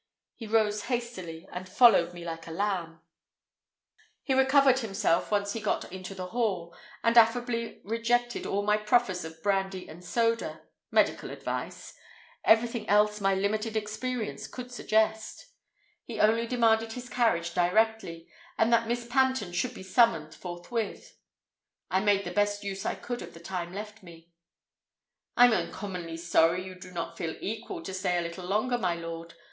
He rose hastily and followed me like a lamb. He recovered himself once we got into the hall, and affably rejected all my proffers of brandy and soda—medical advice—everything else my limited experience could suggest. He only demanded his carriage "directly" and that Miss Panton should be summoned forthwith. I made the best use I could of the time left me. "I'm uncommonly sorry you do not feel equal to staying a little longer, my lord.